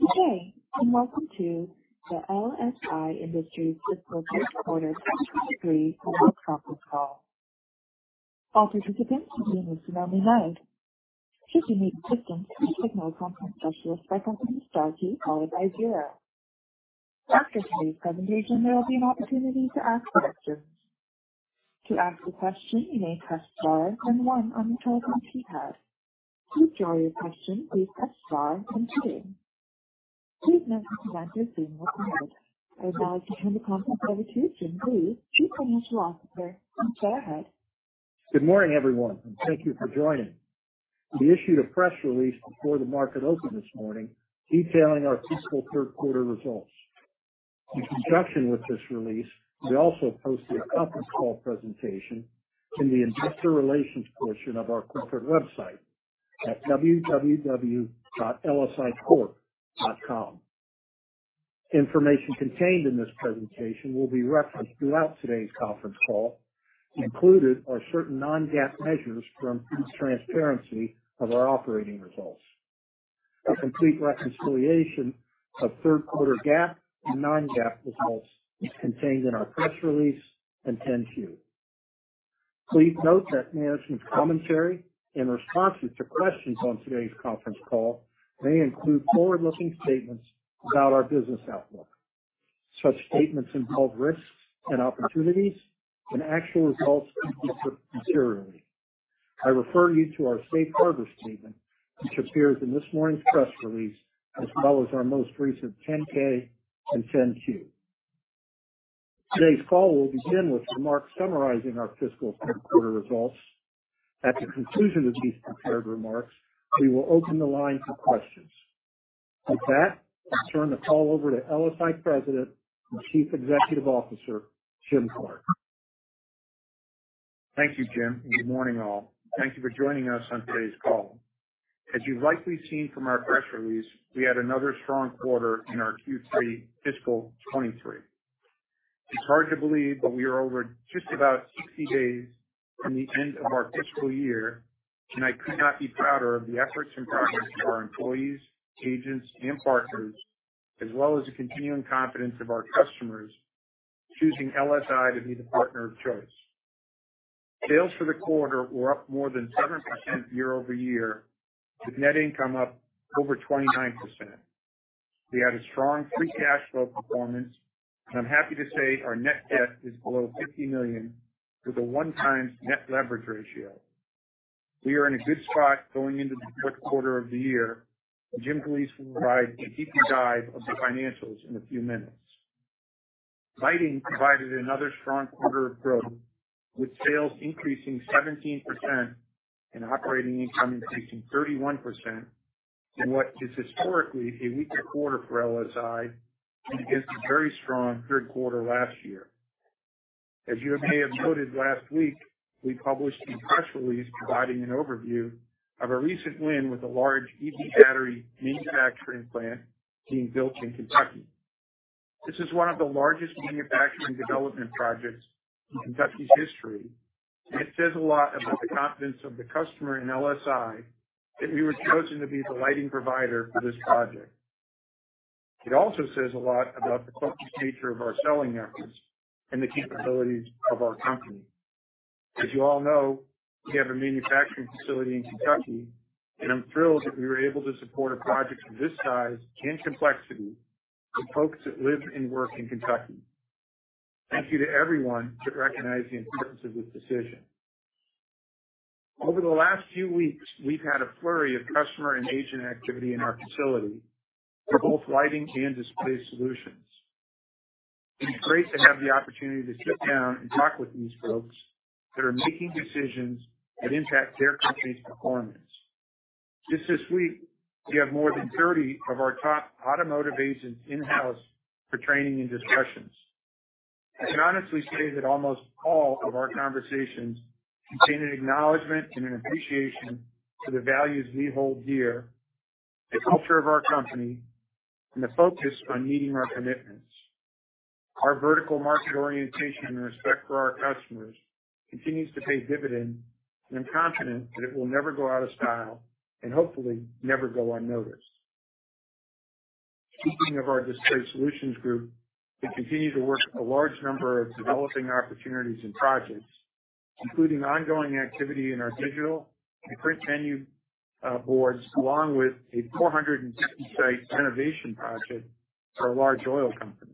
Good day, welcome to the LSI Industries Fiscal Q3 23 Earnings Call. All participants have been placed on read-only mode. If you need assistance, please signal a conference specialist by pressing star two, followed by zero. After today's presentation, there will be an opportunity to ask questions. To ask a question, you may press star then one on the telephone keypad. To withdraw your question, please press star then two. Please note that presenters being recorded. I'd now like to turn the conference over to Jim Galeese, Chief Financial Officer. Please go ahead. Good morning, everyone, and thank you for joining. We issued a press release before the market opened this morning detailing our fiscal Q3 results. In conjunction with this release, we also posted a conference call presentation in the investor relations portion of our corporate website at www.lsicorp.com. Information contained in this presentation will be referenced throughout today's conference call. Included are certain non-GAAP measures to improve transparency of our operating results. A complete reconciliation of Q3 GAAP and non-GAAP results is contained in our press release and 10-Q. Please note that management's commentary in responses to questions on today's conference call may include forward-looking statements about our business outlook. Such statements involve risks and opportunities and actual results may differ materially. I refer you to our safe harbor statement, which appears in this morning's press release, as well as our most recent 10-K and 10-Q. Today's call will begin with remarks summarizing our fiscal Q3 results. At the conclusion of these prepared remarks, we will open the line for questions. With that, I'll turn the call over to LSI President and Chief Executive Officer, Jim Clark. Thank you, Jim. Good morning, all. Thank you for joining us on today's call. As you've likely seen from our press release, we had another strong quarter in our Q3 fiscal 2023. It's hard to believe, we are over just about 60 days from the end of our fiscal year. I could not be prouder of the efforts and progress of our employees, agents, and partners, as well as the continuing confidence of our customers choosing LSI to be the partner of choice. Sales for the quarter were up more than 7% year-over-year, with net income up over 29%. We had a strong free cash flow performance. I'm happy to say our net debt is below $50 million with a one time net leverage ratio. We are in a good spot going into the Q4 of the year. Jim Galeese will provide a deep dive of the financials in a few minutes. Lighting provided another strong quarter of growth, with sales increasing 17% and operating income increasing 31% in what is historically a weaker quarter for LSI and against a very strong Q3 last year. As you may have noted last week, we published a press release providing an overview of a recent win with a large EV battery manufacturing plant being built in Kentucky. This is one of the largest manufacturing development projects in Kentucky's history. It says a lot about the confidence of the customer in LSI that we were chosen to be the lighting provider for this project. It also says a lot about the focused nature of our selling efforts and the capabilities of our company. As you all know, we have a manufacturing facility in Kentucky. I'm thrilled that we were able to support a project of this size and complexity with folks that live and work in Kentucky. Thank you to everyone that recognized the importance of this decision. Over the last few weeks, we've had a flurry of customer and agent activity in our facility for both Lighting and Display Solutions. It's great to have the opportunity to sit down and talk with these folks that are making decisions that impact their company's performance. Just this week, we have more than 30 of our top automotive agents in-house for training and discussions. I can honestly say that almost all of our conversations contain an acknowledgement and an appreciation for the values we hold dear, the culture of our company, and the focus on meeting our commitments. Our vertical market orientation and respect for our customers continues to pay dividends, and I'm confident that it will never go out of style and hopefully never go unnoticed. Speaking of our Display Solutions group, we continue to work with a large number of developing opportunities and projects, including ongoing activity in our digital and print menu boards, along with a 450-site renovation project for a large oil company.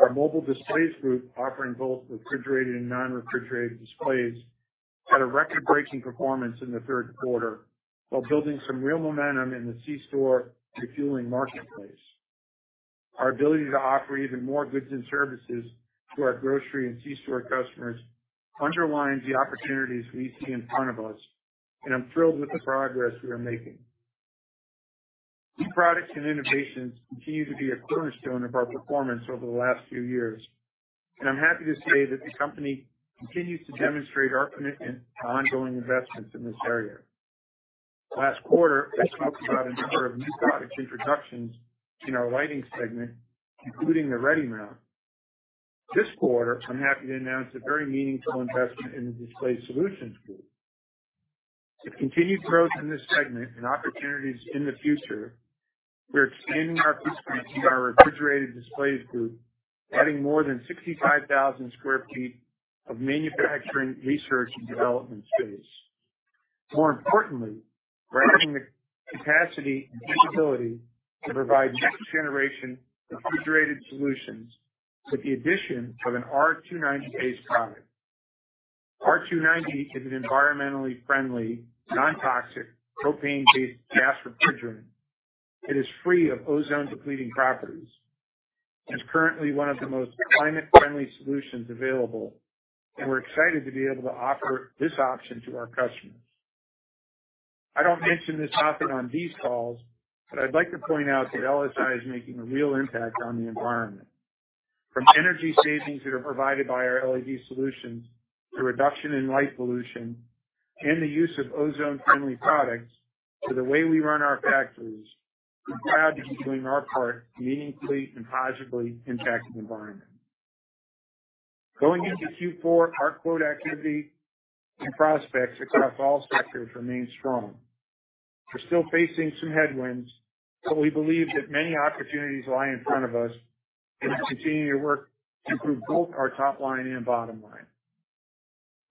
Our mobile displays group, offering both refrigerated and non-refrigerated displays, had a record-breaking performance in the Q3 while building some real momentum in the C-store refueling marketplace. Our ability to offer even more goods and services to our grocery and C-store customers underlines the opportunities we see in front of us, and I'm thrilled with the progress we are making. New products and innovations continue to be a cornerstone of our performance over the last few years, and I'm happy to say that the company continues to demonstrate our commitment to ongoing investments in this area. Last quarter, I spoke about a number of new product introductions in our lighting segment, including the REDiMount. This quarter, I'm happy to announce a very meaningful investment in the Display Solutions Group. To continue growth in this segment and opportunities in the future, we're expanding our footprint in our refrigerated displays group, adding more than 65,000 sq ft of manufacturing, research, and development space. More importantly, we're adding the capacity and capability to provide next-generation refrigerated solutions with the addition of an R-290-based product. R-290 is an environmentally friendly, non-toxic, propane-based gas refrigerant. It is free of ozone-depleting properties and is currently one of the most climate-friendly solutions available. We're excited to be able to offer this option to our customers. I don't mention this often on these calls, but I'd like to point out that LSI is making a real impact on the environment. From energy savings that are provided by our LED solutions to reduction in light pollution and the use of ozone-friendly products to the way we run our factories, we're proud to be doing our part meaningfully and positively impacting the environment. Going into Q4, our quote activity and prospects across all sectors remain strong. We're still facing some headwinds, but we believe that many opportunities lie in front of us, and we'll continue to work to improve both our top line and bottom line.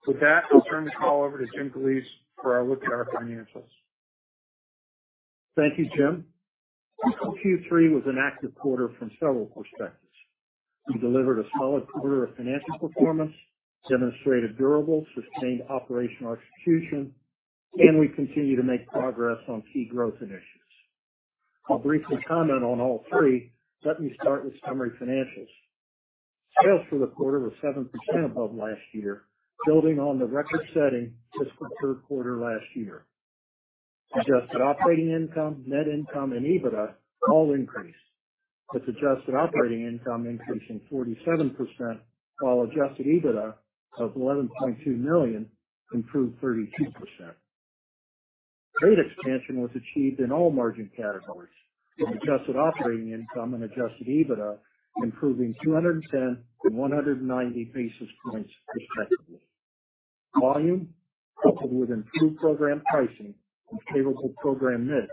With that, I'll turn this call over to Jim Galeese for our look at our financials. Thank you, Jim. Q3 was an active quarter from several perspectives. We delivered a solid quarter of financial performance, demonstrated durable, sustained operational execution, and we continue to make progress on key growth initiatives. I'll briefly comment on all three. Let me start with summary financials. Sales for the quarter were 7% above last year, building on the record-setting fiscal Q3 last year. Adjusted operating income, net income, and EBITDA all increased, with adjusted operating income increasing 47%, while adjusted EBITDA of $11.2 million improved 32%. Rate expansion was achieved in all margin categories, with adjusted operating income and adjusted EBITDA improving 210 and 190 basis points respectively. Volume, coupled with improved program pricing and favorable program mix,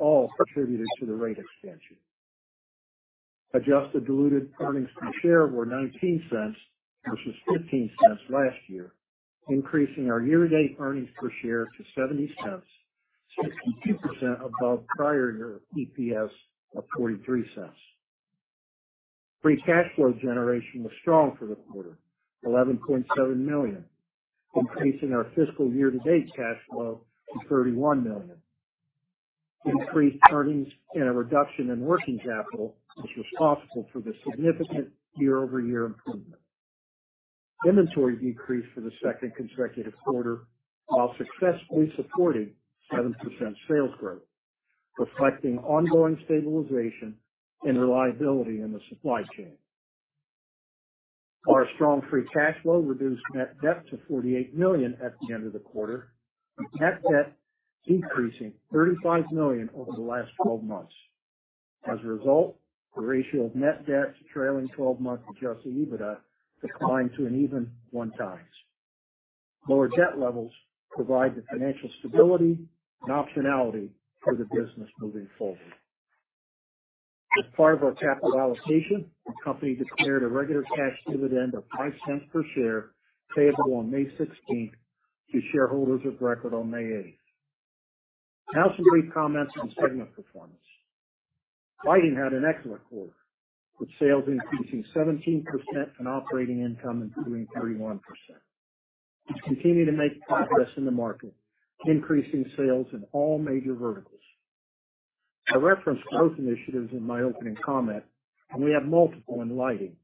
all contributed to the rate expansion. Adjusted diluted earnings per share were $0.19, versus $0.15 last year, increasing our year-to-date earnings per share to $0.70, 62% above prior year EPS of $0.43. Free cash flow generation was strong for the quarter, $11.7 million, increasing our fiscal year-to-date cash flow to $31 million. Increased earnings and a reduction in working capital is responsible for the significant year-over-year improvement. Inventory decreased for the second consecutive quarter while successfully supporting 7% sales growth, reflecting ongoing stabilization and reliability in the supply chain. Our strong free cash flow reduced net debt to $48 million at the end of the quarter, with net debt decreasing $35 million over the last 12 months. As a result, the ratio of net debt to trailing 12-month adjusted EBITDA declined to an even 1x. Lower debt levels provide the financial stability and optionality for the business moving forward. As part of our capital allocation, the company declared a regular cash dividend of $0.05 per share, payable on May 16th to shareholders of record on May 8th. Some brief comments on segment performance. Lighting had an excellent quarter, with sales increasing 17% and operating income improving 31%. We continue to make progress in the market, increasing sales in all major verticals. I referenced growth initiatives in my opening comment, and we have multiple in lighting.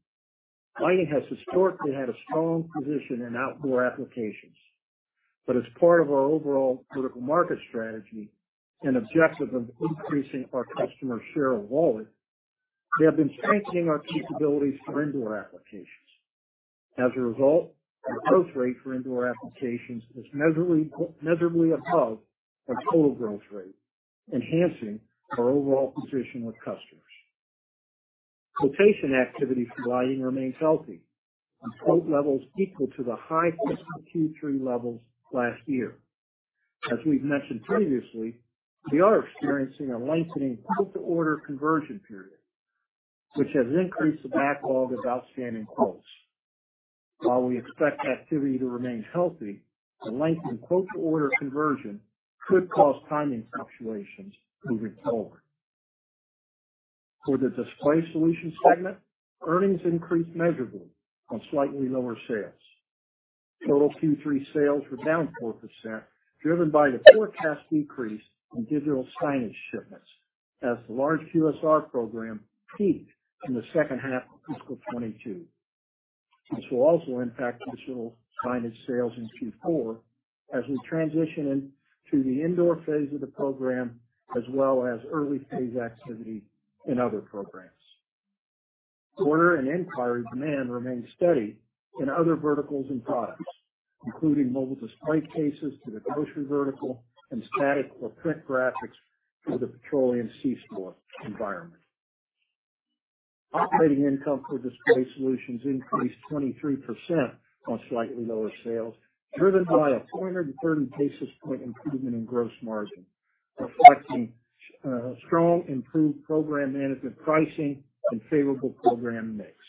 Lighting has historically had a strong position in outdoor applications. As part of our overall vertical market strategy and objective of increasing our customer share of wallet, we have been strengthening our capabilities for indoor applications. As a result, our growth rate for indoor applications is measurably above our total growth rate, enhancing our overall position with customers. Quotation activity for lighting remains healthy, with quote levels equal to the high fiscal Q3 levels last year. As we've mentioned previously, we are experiencing a lengthening quote-to-order conversion period, which has increased the backlog of outstanding quotes. While we expect activity to remain healthy, the lengthened quote-to-order conversion could cause timing fluctuations moving forward. For the Display Solutions segment, earnings increased measurably on slightly lower sales. Total Q3 sales were down 4%, driven by the forecast decrease in digital signage shipments as the large QSR program peaked in the H2 of fiscal 2022. This will also impact digital signage sales in Q4 as we transition into the indoor phase of the program, as well as early phase activity in other programs. Order and inquiry demand remains steady in other verticals and products. Including mobile display cases to the grocery vertical and static or print graphics for the petroleum C-store environment. Operating income for Display Solutions increased 23% on slightly lower sales, driven by a 430 basis point improvement in gross margin, reflecting strong improved program management pricing and favorable program mix.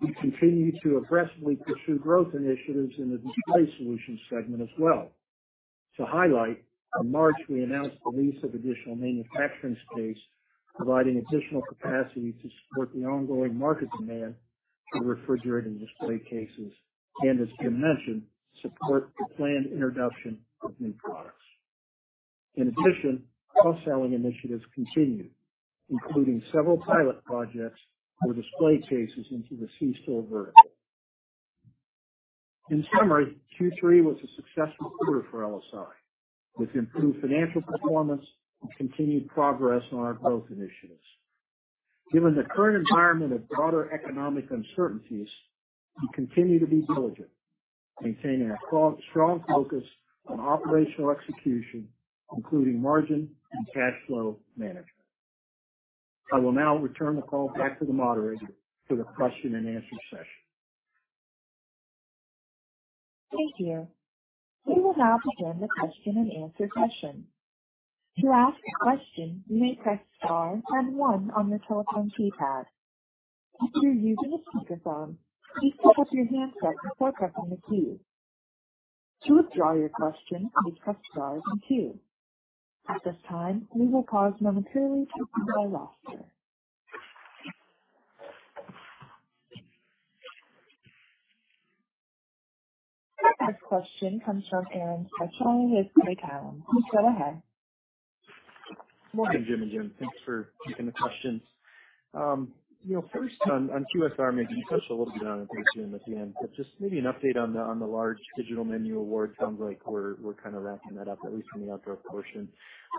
We continue to aggressively pursue growth initiatives in the Display Solutions segment as well. To highlight, in March, we announced the lease of additional manufacturing space, providing additional capacity to support the ongoing market demand for refrigerated display cases, and as Jim mentioned, support the planned introduction of new products. Cross-selling initiatives continued, including several pilot projects for display cases into the C-store vertical. Q3 was a successful quarter for LSI with improved financial performance and continued progress on our growth initiatives. Given the current environment of broader economic uncertainties, we continue to be diligent, maintaining a strong focus on operational execution, including margin and cash flow management. I will now return the call back to the moderator for the question-and-answer session. Thank you. We will now begin the question-and-answer session. To ask a question, you may press star and 1 on your telephone keypad. If you're using a speakerphone, please pick up your handset before pressing the key. To withdraw your question, please press star then 2. At this time, we will pause momentarily to review our roster. Our first question comes from Aaron Spychalla with Craig-Hallum. Please go ahead. Morning, Jim and Jim. Thanks for taking the questions. you know, first on QSR, maybe you touched a little bit on it, but Jim at the end, but just maybe an update on the large digital menu award. Sounds like we're kind of wrapping that up, at least from the outdoor portion.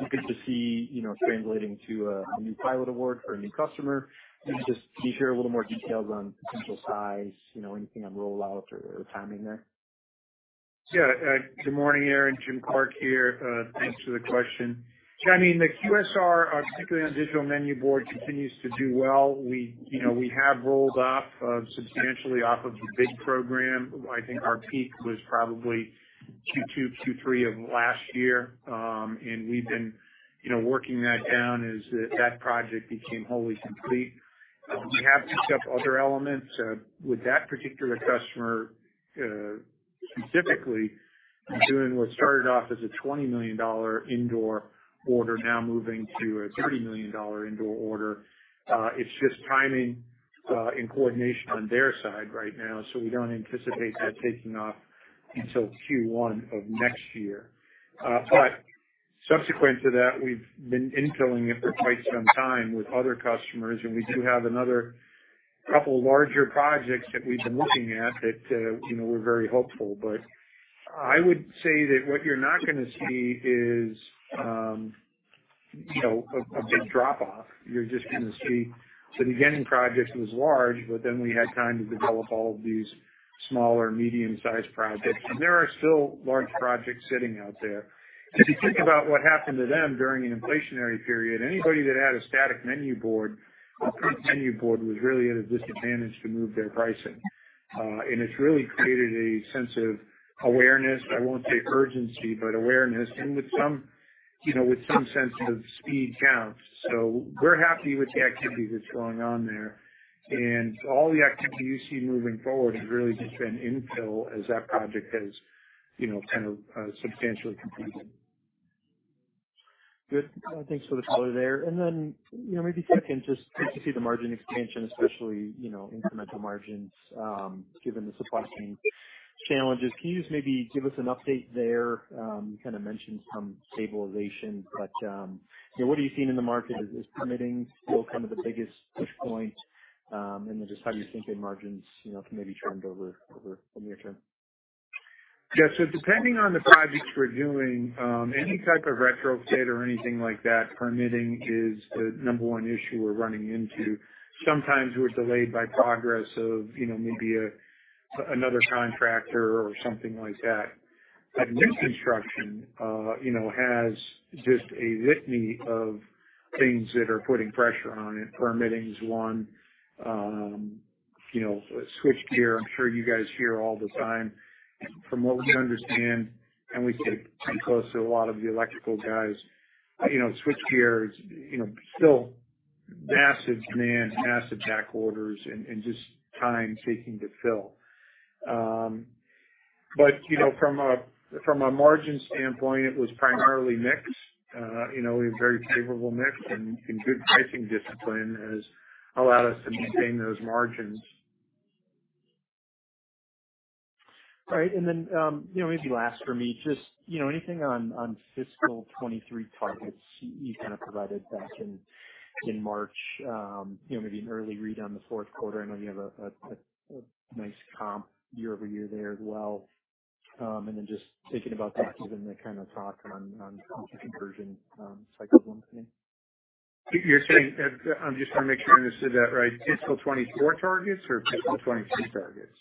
You could just see, you know, translating to a new pilot award for a new customer. Maybe just can you share a little more details on potential size, you know, anything on rollout or timing there? Yeah. Good morning, Aaron. Jim Clark here. Thanks for the question. Yeah, I mean, the QSR, particularly on digital menu board, continues to do well. We, you know, we have rolled off substantially off of the big program. I think our peak was probably Q2, Q3 of last year. We've been, you know, working that down as that project became wholly complete. We have picked up other elements with that particular customer, specifically doing what started off as a $20 million indoor order now moving to a $30 million indoor order. It's just timing and coordination on their side right now, so we don't anticipate that taking off until Q1 of next year. Subsequent to that, we've been infilling it for quite some time with other customers, and we do have another couple larger projects that we've been looking at that, you know, we're very hopeful. I would say that what you're not gonna see is, you know, a big drop-off. You're just gonna see. The beginning project was large, but then we had time to develop all of these smaller medium-sized projects. There are still large projects sitting out there. If you think about what happened to them during an inflationary period, anybody that had a static menu board or print menu board was really at a disadvantage to move their pricing. It's really created a sense of awareness, I won't say urgency, but awareness with some, you know, sense of speed counts. We're happy with the activity that's going on there. All the activity you see moving forward has really just been infill as that project has, you know, kind of, substantially completed. Good. Thanks for the color there. You know, maybe second, just since you see the margin expansion, especially, you know, incremental margins, given the supply chain challenges, can you just maybe give us an update there? You kinda mentioned some stabilization, but, you know, what are you seeing in the market? Is permitting still kind of the biggest push point? Just how do you think that margins, you know, can maybe trend over the near term? Yeah. Depending on the projects we're doing, any type of retrofit or anything like that, permitting is the number one issue we're running into. Sometimes we're delayed by progress of, you know, maybe another contractor or something like that. New construction, you know, has just a litany of things that are putting pressure on it. Permitting is one. You know, switchgear, I'm sure you guys hear all the time. From what we understand, and we stay pretty close to a lot of the electrical guys, you know, switchgear is, you know, still massive demand, massive back orders and just time taking to fill. You know, from a margin standpoint, it was primarily mix. You know, a very favorable mix and good pricing discipline has allowed us to maintain those margins. All right. You know, maybe last for me, just, you know, anything on fiscal 2023 targets? You kind of provided back in March, you know, maybe an early read on the Q4. I know you have a nice comp year-over-year there as well. Then just thinking about that given the kind of talk on conversion, cycle slowing. You're saying, I'm just wanna make sure I understood that right. Fiscal 2024 targets or fiscal 2023 targets?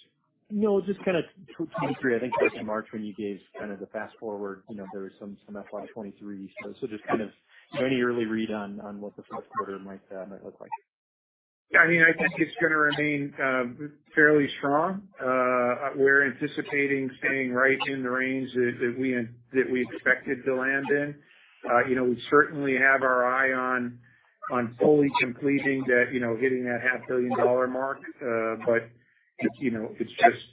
No, just kinda 2023. I think just in March when you gave kind of the Fast Forward, you know, there was some FY 2023 stuff. Just kind of any early read on what the Q1 might look like. I mean, I think it's gonna remain fairly strong. We're anticipating staying right in the range that we expected to land in. You know, we certainly have our eye on fully completing that, you know, hitting that half billion dollar mark. It's, you know, it's just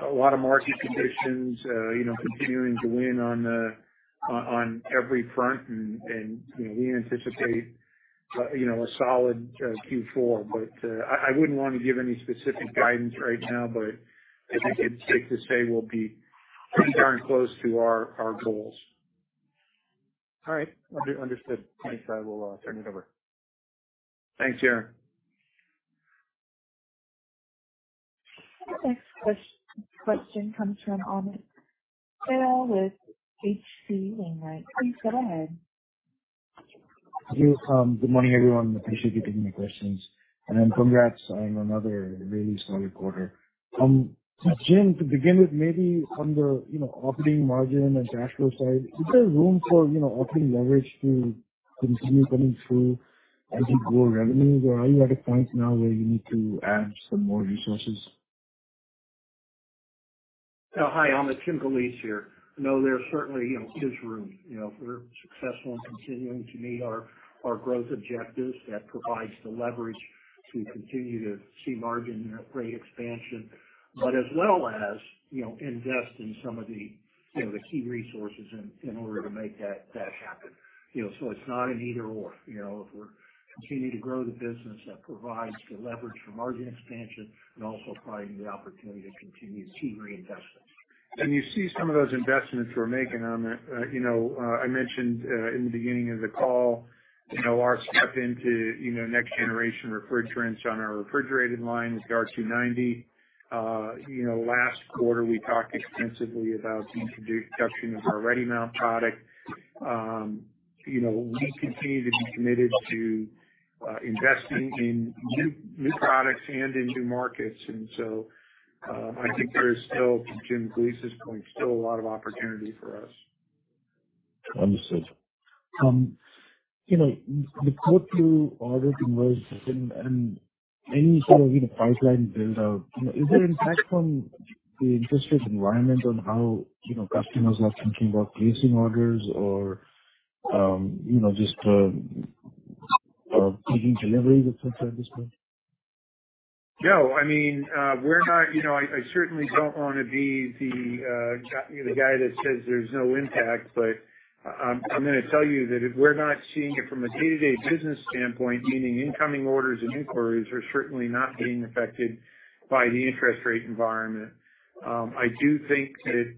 a lot of market conditions, you know, continuing to win on every front and, you know, we anticipate a solid Q4. I wouldn't wanna give any specific guidance right now, but I think it's safe to say we'll be pretty darn close to our goals. All right. Under-understood. Thanks. I will turn it over. Thanks, Aaron. The next question comes from Amit Dayal with H.C. Wainwright. Please go ahead. Thank you. Good morning, everyone. Appreciate you taking my questions. Congrats on another really solid quarter. Jim, to begin with, maybe on the, you know, operating margin and cash flow side, is there room for, you know, operating leverage to continue coming through as you grow revenues? Are you at a point now where you need to add some more resources? Oh, hi, Amit. Jim Galeese here. No, there certainly, you know, is room. You know, if we're successful in continuing to meet our growth objectives, that provides the leverage to continue to see margin rate expansion, but as well as, you know, invest in some of the, you know, the key resources in order to make that happen. You know, so it's not an either/or. You know, if we're continuing to grow the business, that provides the leverage for margin expansion and also providing the opportunity to continue key reinvestments. You see some of those investments we're making, Amit, you know, I mentioned in the beginning of the call, you know, our step into, you know, next generation refrigerants on our refrigerated line is the R-290. you know, last quarter, we talked extensively about the introduction of our REDiMount product. you know, we continue to be committed to investing in new products and in new markets. I think there is still, from Jim Galeese's point, still a lot of opportunity for us. Understood. You know, the pull through order converse and any sort of, you know, pipeline build out, you know, is there impact from the interest rate environment on how, you know, customers are thinking about placing orders or, you know, just taking delivery of goods at this point? No. I mean, you know, I certainly don't wanna be the, you know, the guy that says there's no impact. I'm gonna tell you that we're not seeing it from a day-to-day business standpoint, meaning incoming orders and inquiries are certainly not being affected by the interest rate environment. I do think that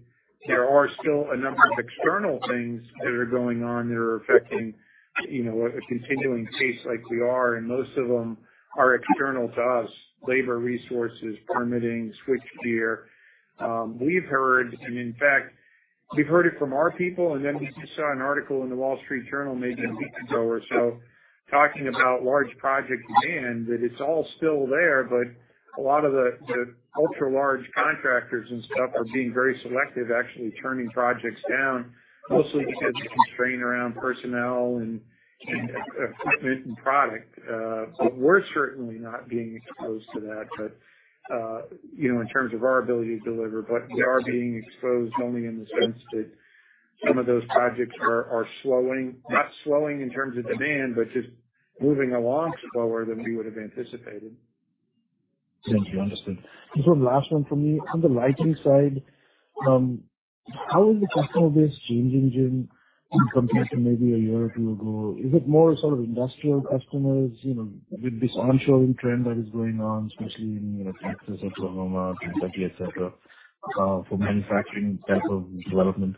there are still a number of external things that are going on that are affecting, you know, a continuing pace like we are. Most of them are external to us: labor resources, permitting, switchgear. We've heard, in fact, we've heard it from our people, we just saw an article in the Wall Street Journal maybe a week ago or so talking about large project demand, that it's all still there, but a lot of the ultra-large contractors and stuff are being very selective, actually turning projects down, mostly because of constraint around personnel and equipment and product. We're certainly not being exposed to that. You know, in terms of our ability to deliver, but we are being exposed only in the sense that some of those projects are slowing, not slowing in terms of demand, but just moving along slower than we would have anticipated. Thank you. Understood. Last one for me. On the lighting side, how is the customer base changing, Jim, in comparison maybe a year or two ago? Is it more sort of industrial customers, you know, with this onshoring trend that is going on, especially in, you know, Texas, Oklahoma, Kentucky, et cetera, for manufacturing type of development?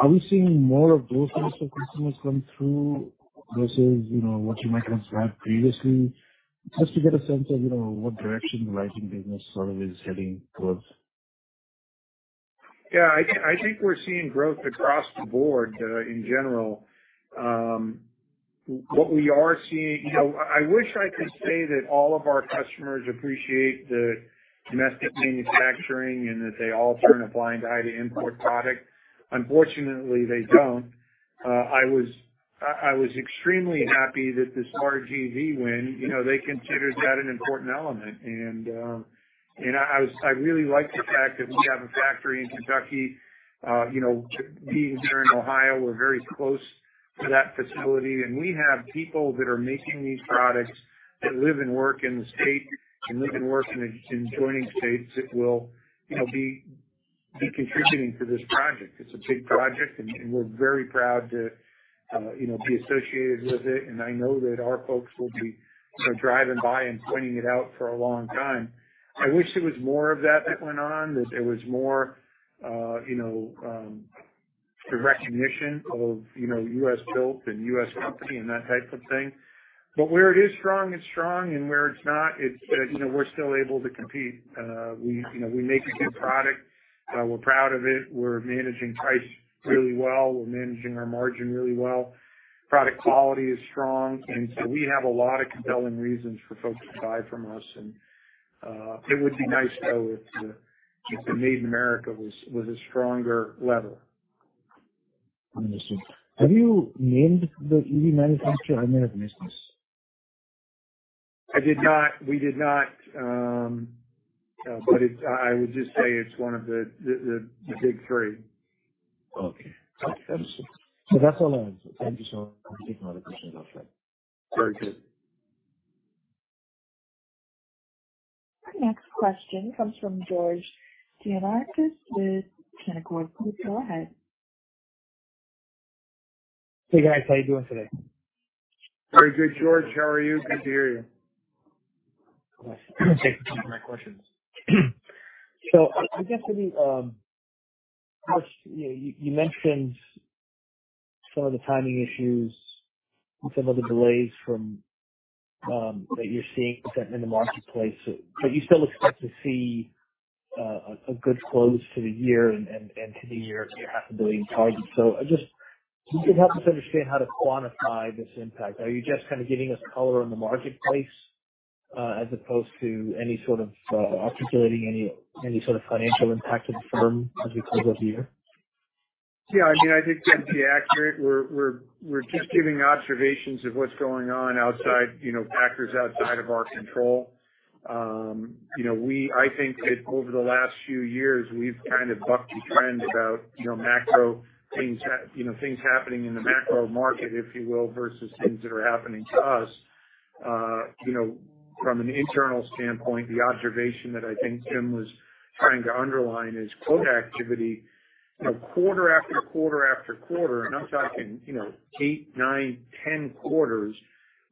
Are we seeing more of those types of customers come through versus, you know, what you might have described previously? Just to get a sense of, you know, what direction the lighting business sort of is heading towards. Yeah, I think we're seeing growth across the board in general. What we are seeing. You know, I wish I could say that all of our customers appreciate the domestic manufacturing and that they all turn a blind eye to import product. Unfortunately, they don't. I was extremely happy that this RGZ win, you know, they considered that an important element, and I was really like the fact that we have a factory in Kentucky. You know, being here in Ohio, we're very close to that facility, and we have people that are making these products that live and work in the state and live and work in adjoining states that will, you know, be contributing to this project. It's a big project, and we're very proud to, you know, be associated with it. I know that our folks will be, you know, driving by and pointing it out for a long time. I wish there was more of that that went on, that there was more, you know, the recognition of, you know, U.S. built and U.S. company and that type of thing. Where it is strong, it's strong, and where it's not, it's, you know, we're still able to compete. We, you know, we make a good product. We're proud of it. We're managing price really well. We're managing our margin really well. Product quality is strong. So we have a lot of compelling reasons for folks to buy from us. It would be nice, though, if the, if the Made in America was a stronger level. I understand. Have you named the EV manufacturer? I may have missed this. I did not. We did not. I would just say it's one of the big three. Okay. Understood. That's all I have. Thank you so much. I'll take my other questions offline. Very good. Our next question comes from George Gianarikas with Canaccord. Please go ahead. Hey, guys. How you doing today? Very good, George. How are you? Good to hear you. Okay. Thanks for taking my questions. I guess maybe, first, you know, you mentioned some of the timing issues and some of the delays from that you're seeing in the marketplace, but you still expect to see a good close to the year and to the year at your half a billion target. Can you help us understand how to quantify this impact? Are you just kind of giving us color on the marketplace, as opposed to any sort of articulating any sort of financial impact to the firm as we close out the year? I mean, I think to be accurate, we're just giving observations of what's going on outside, you know, factors outside of our control. I think that over the last few years, we've kind of bucked the trend about, you know, macro things, you know, things happening in the macro market, if you will, versus things that are happening to us. From an internal standpoint, the observation that I think Jim was trying to underline is quote activity. Quarter after quarter after quarter, and I'm talking, you know, eight, nine, 10 quarters,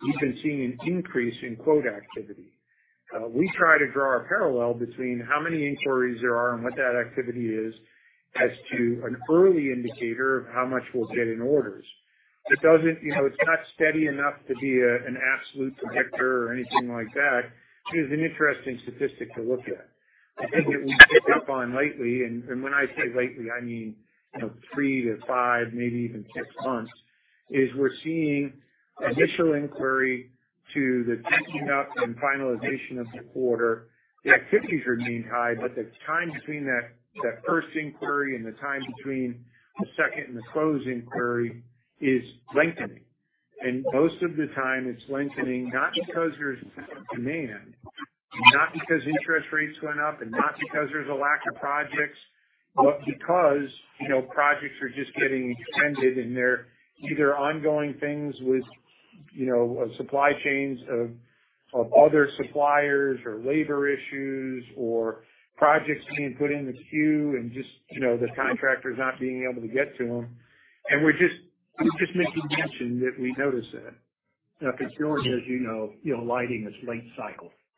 we've been seeing an increase in quote activity. We try to draw a parallel between how many inquiries there are and what that activity is as to an early indicator of how much we'll get in orders. It doesn't, you know, it's not steady enough to be a, an absolute predictor or anything like that. It is an interesting statistic to look at. I think what we picked up on lately, and, when I say lately, I mean, you know, three to five, maybe even six months, is we're seeing initial inquiry to the teching up and finalization of the order. The activities are remaining high, but the time between that first inquiry and the time between the second and the close inquiry is lengthening. Most of the time it's lengthening not because there's demand and not because interest rates went up and not because there's a lack of projects, but because, you know, projects are just getting extended and they're either ongoing things with, you know, supply chains of other suppliers or labor issues or projects being put in the queue and just, you know, the contractors not being able to get to them. We're just making mention that we notice that. Now, because George, as you know, you know, lighting is late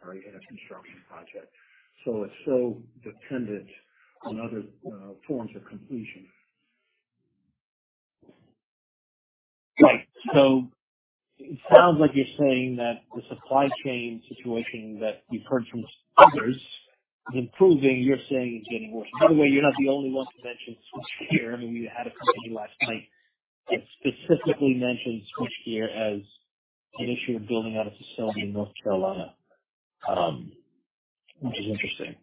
cycle, right, in a construction project, so it's so dependent on other forms of completion. Right. It sounds like you're saying that the supply chain situation that we've heard from others is improving. You're saying it's getting worse. By the way, you're not the only one to mention switchgear. I mean, we had a company last night that specifically mentioned switchgear as an issue of building out a facility in North Carolina, which is interesting.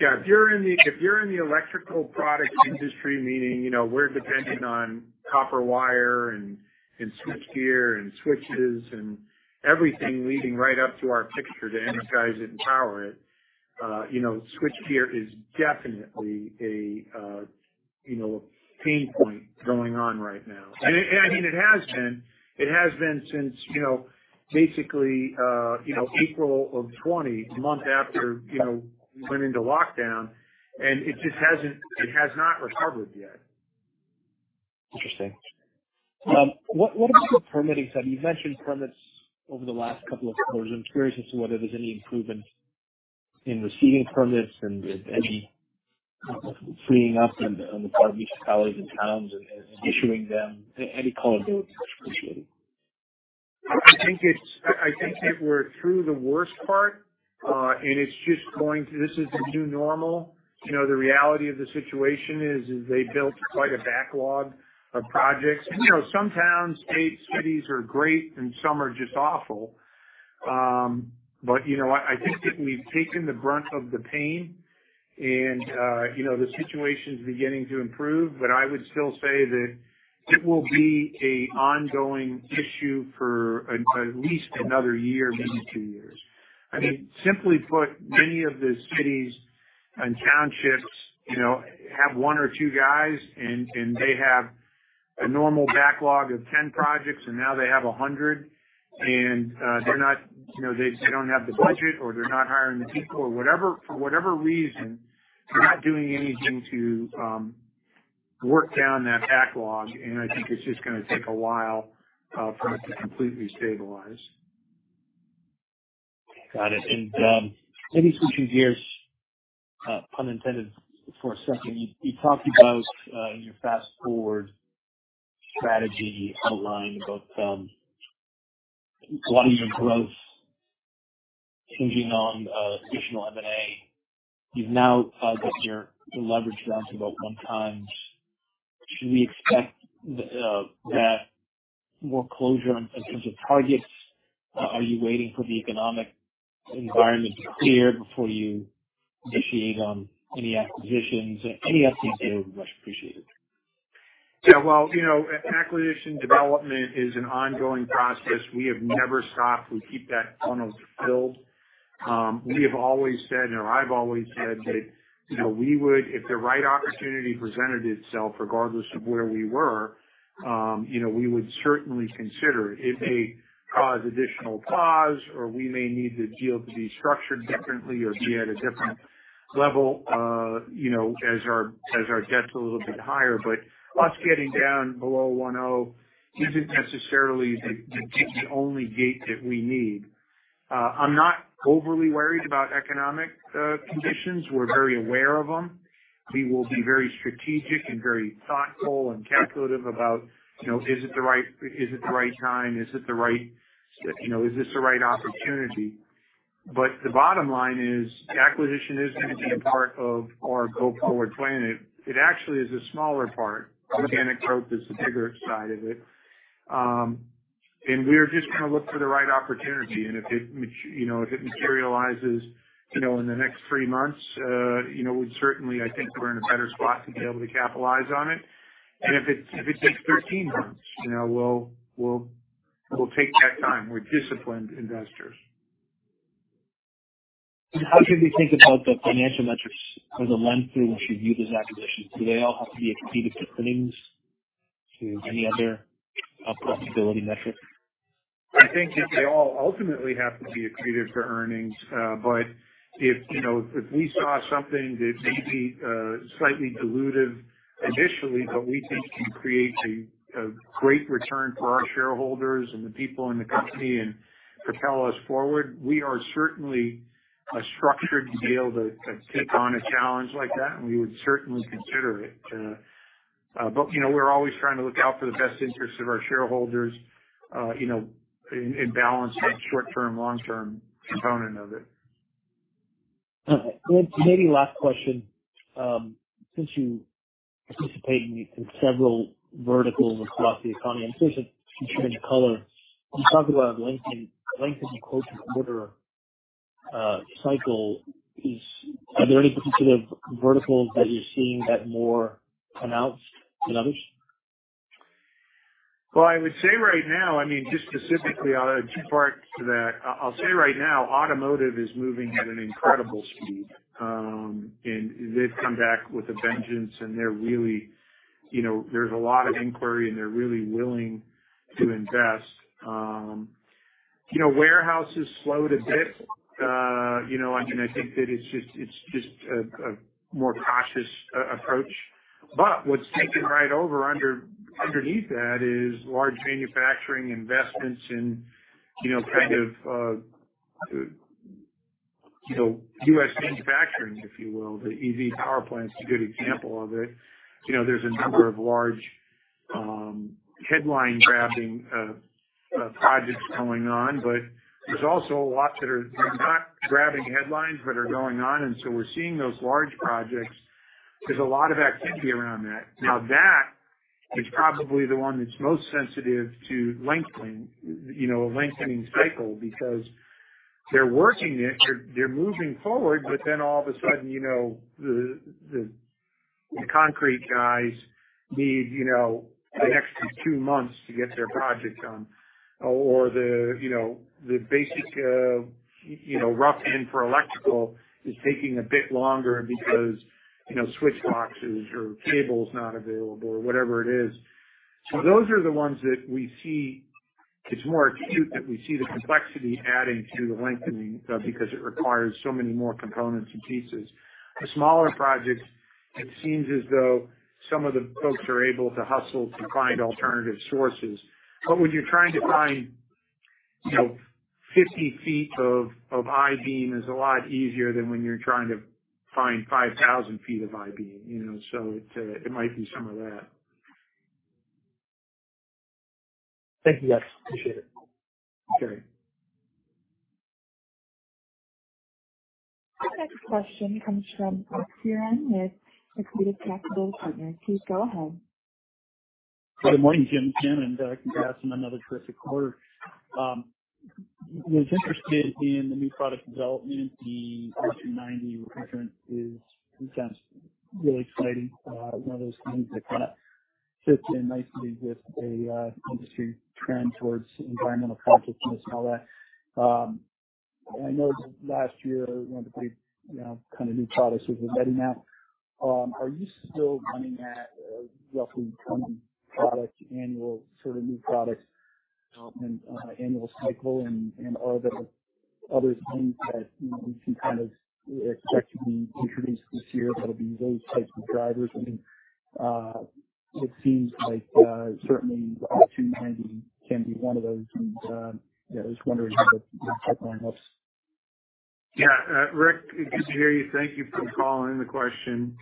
Yeah. If you're in the, if you're in the electrical product industry, meaning, you know, we're dependent on copper wire and switchgear and switches and everything leading right up to our fixture to energize it and power it, you know, switchgear is definitely a, you know, a pain point going on right now. I mean, it has been. It has been since, you know, basically, you know, April of 2020, a month after, you know, we went into lockdown. It has not recovered yet. Interesting. What about the permitting side? You've mentioned permits over the last couple of quarters. I'm curious as to whether there's any improvement in receiving permits and if any, kind of, freeing up on the part of municipalities and towns and issuing them. Any color there would be appreciated. I think it's, I think that we're through the worst part. This is the new normal. You know, the reality of the situation is they built quite a backlog of projects. You know, some towns, states, cities are great and some are just awful. You know what? I think that we've taken the brunt of the pain, and you know, the situation's beginning to improve, but I would still say that it will be a ongoing issue for at least another year, maybe two years. I mean, simply put, many of the cities and townships, you know, have one or two guys, and they have a normal backlog of 10 projects, and now they have 100. They're not, you know, they don't have the budget or they're not hiring the people or whatever. For whatever reason, they're not doing anything to work down that backlog. I think it's just gonna take a while for it to completely stabilize. Got it. Maybe switching gears, pun intended, for a second. You talked about in your Fast Forward strategy outline about a lot of your growth hinging on additional M&A. You've now guided your leverage down to about one times. Should we expect that more closure in terms of targets? Are you waiting for the economic environment to clear before you initiate on any acquisitions? Any update there would be much appreciated. Yeah, well, you know, acquisition development is an ongoing process. We have never stopped. We keep that funnel filled. We have always said, or I've always said that, you know, we would, if the right opportunity presented itself, regardless of where we were, you know, we would certainly consider. It may cause additional pause or we may need the deal to be structured differently or be at a different level, you know, as our, as our debt's a little bit higher. Us getting down below 1.0 isn't necessarily the only gate that we need. I'm not overly worried about economic conditions. We're very aware of them. We will be very strategic and very thoughtful and calculative about, you know, is it the right time? Is it the right, you know, is this the right opportunity? The bottom line is acquisition is gonna be a part of our go forward plan. It actually is a smaller part. Organic growth is the bigger side of it. We're just gonna look for the right opportunity. If it materializes, you know, in the next three months, you know, we'd certainly, I think we're in a better spot to be able to capitalize on it. If it takes 13 months, you know, we'll take that time. We're disciplined investors. How should we think about the financial metrics or the lens through which you view those acquisitions? Do they all have to be accretive to earnings? To any other profitability metric? I think that they all ultimately have to be accretive to earnings. If, you know, if we saw something that may be slightly dilutive initially, but we think can create a great return for our shareholders and the people in the company and propel us forward, we are certainly structured to be able to take on a challenge like that, and we would certainly consider it. You know, we're always trying to look out for the best interests of our shareholders, you know, in balance that short-term, long-term component of it. Okay. Maybe last question. Since you participate in several verticals across the economy, in terms of contributing color, you talked about lengthening quote-to-order cycle. Are there any particular verticals that you're seeing that more pronounced than others? Well, I would say right now, I mean just specifically on. Two parts to that. I'll say right now, automotive is moving at an incredible speed. They've come back with a vengeance, and they're really, you know, there's a lot of inquiry, and they're really willing to invest. You know, warehouse has slowed a bit. You know, I mean, I think that it's just, it's just a more cautious approach. What's taken right over underneath that is large manufacturing investments in, you know, kind of, you know, U.S. manufacturing, if you will. The EV power plant's a good example of it. You know, there's a number of large, headline grabbing projects going on, but there's also a lot that are not grabbing headlines but are going on. We're seeing those large projects. There's a lot of activity around that. That is probably the one that's most sensitive to lengthening, you know, a lengthening cycle because they're working it, they're moving forward, all of a sudden, you know, the concrete guys need, you know, an extra two months to get their project done or the, you know, the basic, you know, rough-in for electrical is taking a bit longer because, you know, switch boxes or cable's not available or whatever it is. Those are the ones that we see. It's more acute, that we see the complexity adding to the lengthening because it requires so many more components and pieces. The smaller projects, it seems as though some of the folks are able to hustle to find alternative sources. When you're trying to find, you know, 50 feet of I-beam is a lot easier than when you're trying to find 5,000 feet of I-beam, you know? It might be some of that. Thank you, guys. Appreciate it. Okay. Our next question comes from Fearon with Accretive Capital Partners. Please go ahead. Good morning, Jim and Jim, and congrats on another terrific quarter. Was interested in the new product development. The R-290 refrigerant is, sounds really exciting. One of those things that kind of fits in nicely with a industry trend towards environmental consciousness and all that. I know last year one of the big, you know, kind of new products was the REDiMount. Are you still running at a roughly one product annual sort of new product development annual cycle? Are there other things that, you know, we should kind of expect to be introduced this year that'll be those types of drivers? I mean, it seems like certainly the R-290 can be one of those. Yeah, I was wondering how the pipeline looks. Yeah, Rick, good to hear you. Thank you for calling in the question.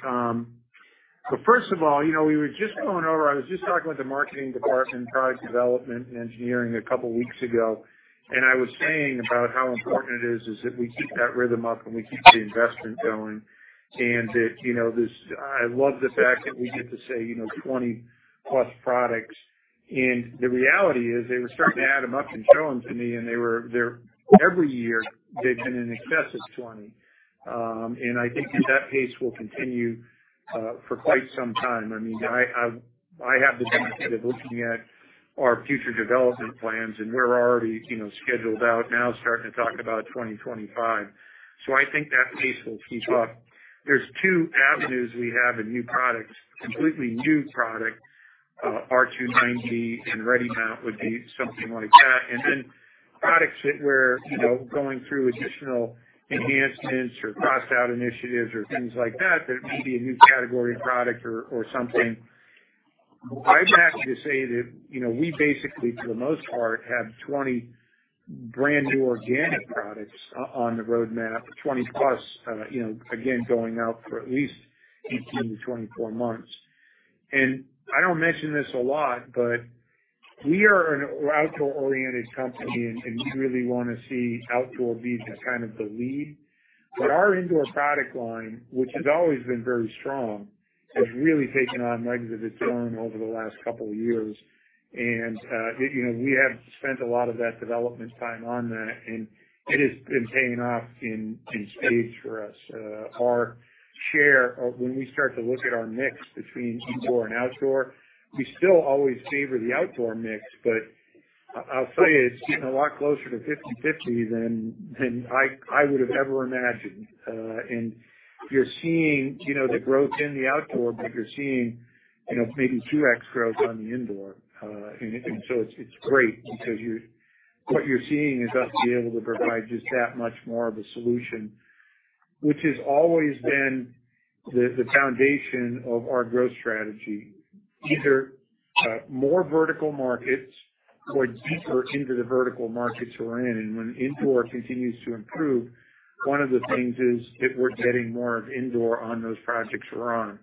First of all, you know, we were just going over I was just talking with the marketing department, product development, and engineering a couple weeks ago, and I was saying about how important it is that we keep that rhythm up, and we keep the investment going, and that, you know, I love the fact that we get to say, you know, 20+ products. The reality is they were starting to add them up and show them to me, and they're every year they've been in excess of 20. I think that that pace will continue for quite some time. I mean, I have the benefit of looking at our future development plans. We're already, you know, scheduled out now starting to talk about 2025. I think that pace will keep up. There's two avenues we have in new products, completely new product. R-290 and REDiMount would be something like that. Then products that we're, you know, going through additional enhancements or cost out initiatives or things like that may be a new category of product or something. I'd actually say that, you know, we basically, for the most part, have 20 brand new organic products on the roadmap, 20+, you know, again, going out for at least 18 to 24 months. I don't mention this a lot, but we are an outdoor-oriented company, and we really wanna see outdoor be just kind of the lead. Our indoor product line, which has always been very strong, has really taken on legs of its own over the last couple of years. You know, we have spent a lot of that development time on that, and it has been paying off in spades for us. Our share of when we start to look at our mix between indoor and outdoor, we still always favor the outdoor mix. I'll tell you, it's getting a lot closer to 50/50 than I would have ever imagined. You're seeing, you know, the growth in the outdoor, but you're seeing, you know, maybe 2x growth on the indoor. It's great because what you're seeing is us being able to provide just that much more of a solution, which has always been the foundation of our growth strategy, either more vertical markets or deeper into the vertical markets we're in. When indoor continues to improve, one of the things is that we're getting more of indoor on those projects we're on.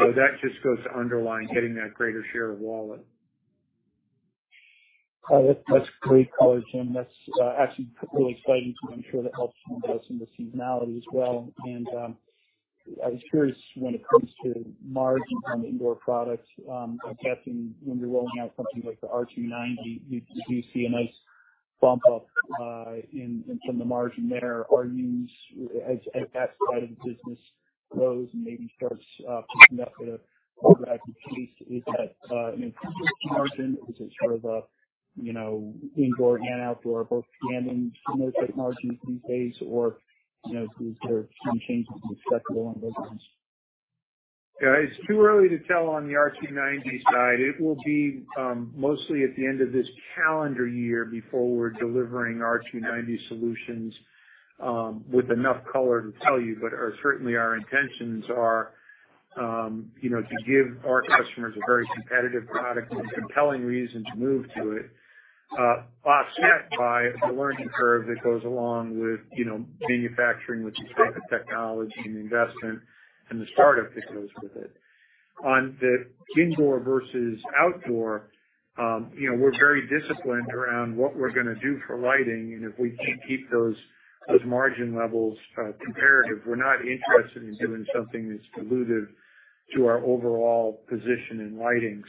That just goes to underline getting that greater share of wallet. Oh, that's great color, Jim. That's actually really exciting. I'm sure that helps some of us in the seasonality as well. I was curious when it comes to margins on the indoor products, I'm guessing when you're rolling out something like the R-290, you do see a nice bump up in the margin there. As that side of the business grows and maybe starts kicking up at a more rapid pace, is that an improved margin? Is it sort of a, you know, indoor and outdoor are both commanding similar type margins these days? Or, you know, is there some changes acceptable on those ones? Yeah. It's too early to tell on the R-290 side. It will be mostly at the end of this calendar year before we're delivering R-290 solutions with enough color to tell you. Certainly our intentions are, you know, to give our customers a very competitive product with compelling reason to move to it, offset by the learning curve that goes along with, you know, manufacturing, with the type of technology and investment and the startup that goes with it. On the indoor versus outdoor, you know, we're very disciplined around what we're gonna do for lighting, and if we can't keep those margin levels comparative, we're not interested in doing something that's dilutive to our overall position in lighting.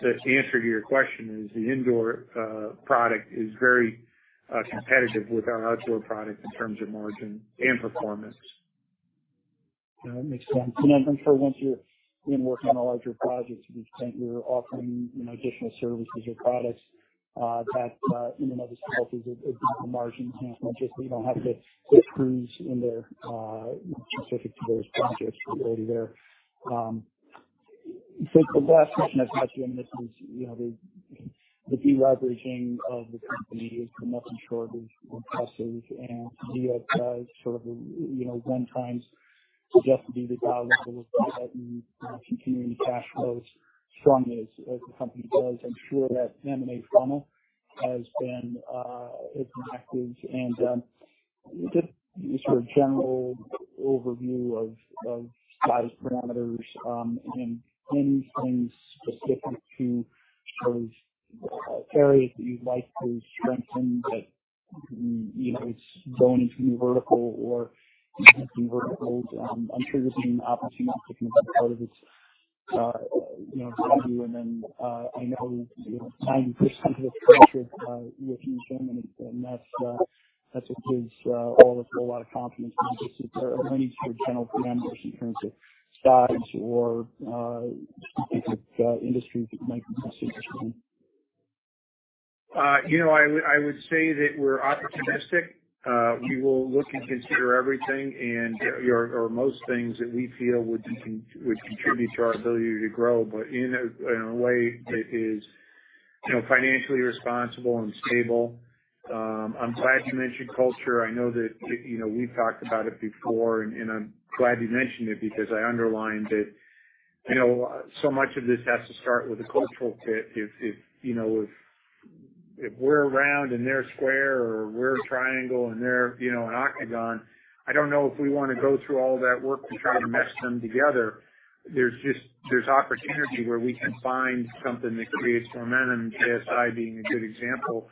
The answer to your question is the indoor product is very competitive with our outdoor product in terms of margin and performance. Yeah, that makes sense. I'm sure once you're been working on the larger projects, to the extent you're offering, you know, additional services or products, that, you know, those geographies will boost the margins. It's not just that you don't have to get crews in there, specific to those projects already there. The last question I've got, Jim, this is, you know, the de-leveraging of the company is nothing short of impressive. Do you have, sort of a, you know, when times just be the dial back a little bit and, you know, continuing cash flows strongly as the company does. I'm sure that M&A funnel has been, is active and, just sort of general overview of size parameters, and any things specific to those areas that you'd like to strengthen that, you know, it's going into new vertical or enhancing verticals. I'm sure this is an opportunity as part of this, you know, review. Then, I know, you know, Tim you pushed some of this culture, with you, Jim, and that's what gives all of you a lot of confidence when it comes to any sort of general parameters in terms of size or specific industries that you might be interested in. You know, I would say that we're opportunistic. We will look and consider everything and or most things that we feel would contribute to our ability to grow, but in a way that is, you know, financially responsible and stable. I'm glad you mentioned culture. I know that, you know, we've talked about it before, and I'm glad you mentioned it because I underline that, you know, so much of this has to start with the cultural fit. If, you know, If we're round and they're square or we're a triangle and they're, you know, an octagon, I don't know if we wanna go through all that work to try to mesh them together. There's just, there's opportunity where we can find something that creates momentum, LSI being a good example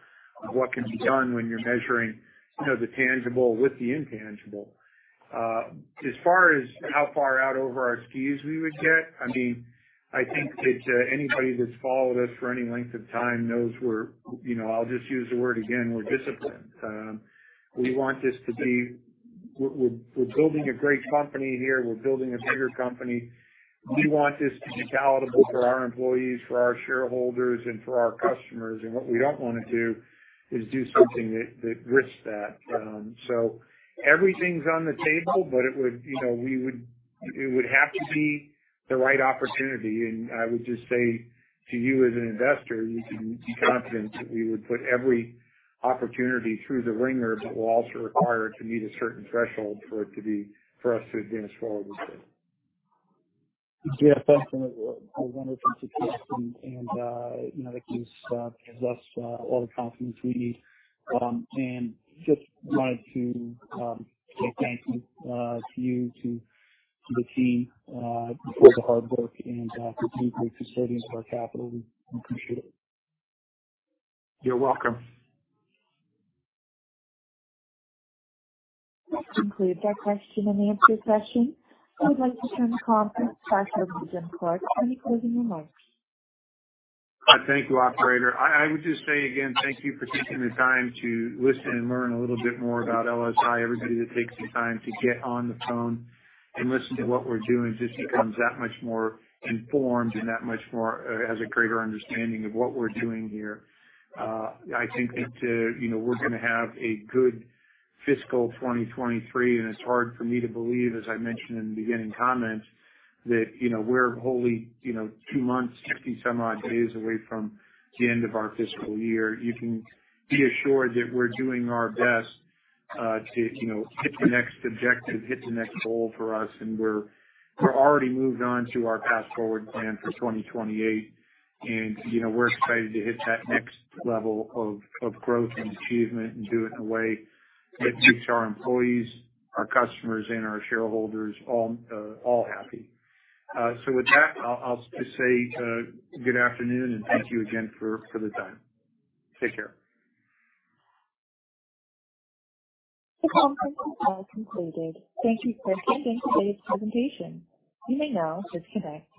of what can be done when you're measuring, you know, the tangible with the intangible. As far as how far out over our skis we would get, I mean, I think that anybody that's followed us for any length of time knows we're, you know, I'll just use the word again, we're disciplined. We're building a great company here. We're building a bigger company. We want this to be palatable for our employees, for our shareholders, and for our customers. What we don't wanna do is do something that risks that. Everything's on the table, but it would, you know, it would have to be the right opportunity. I would just say to you as an investor, you can be confident that we would put every opportunity through the wringer, but we'll also require it to meet a certain threshold for it to be, for us to advance forward with it. Yeah. Thanks, Jim. A wonderful situation and, you know, that gives us all the confidence we need. Just wanted to say thank you to you, to the team, for all the hard work and for being great custodians of our capital. We appreciate it. You're welcome. This concludes our question and answer session. I would like to turn the conference back over to Jim Clark for any closing remarks. Thank you, operator. I would just say again, thank you for taking the time to listen and learn a little bit more about LSI. Everybody that takes the time to get on the phone and listen to what we're doing just becomes that much more informed and that much more, has a greater understanding of what we're doing here. I think that, you know, we're gonna have a good fiscal 2023, and it's hard for me to believe, as I mentioned in the beginning comments, that, you know, we're only, two months, 60 some odd days away from the end of our fiscal year. You can be assured that we're doing our best, to, you know, hit the next objective, hit the next goal for us, and we're already moved on to our path forward plan for 2028. You know, we're excited to hit that next level of growth and achievement and do it in a way that keeps our employees, our customers, and our shareholders all happy. With that, I'll just say good afternoon and thank you again for the time. Take care. The conference has now concluded. Thank you for attending today's presentation. You may now disconnect.